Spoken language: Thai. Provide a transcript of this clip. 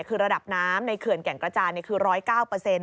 คือระดับน้ำในเขื่อนแก่งกระจานคือ๑๐๙เปอร์เซ็นต์